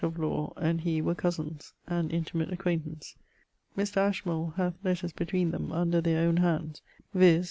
and he were cosins, and intimate acquaintance. Mr. Ashmole hath letters between them, under their owne hands, viz.